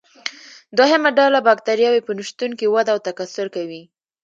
دوهمه ډله بکټریاوې په نشتون کې وده او تکثر کوي.